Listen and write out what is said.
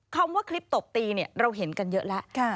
คำว่าคลิปตบตีเราเห็นกันเยอะแล้ว